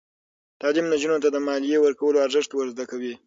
تعلیم نجونو ته د مالیې ورکولو ارزښت ور زده کوي.